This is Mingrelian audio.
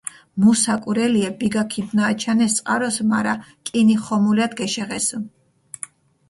მუ საკურელიე, ბიგა ქიდჷნააჩანეს წყარსჷ, მარა კინი ხომულათ გეშეღესჷ.